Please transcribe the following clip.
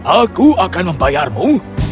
aku akan membayarmu